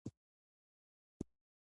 لکه د شرکت چې له پیسو پرته ډیوالي کېږي.